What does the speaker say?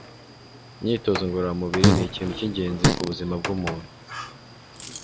Imyitozo ngororamubiri ni ikintu cy'ingenzi ku buzima bw'umuntu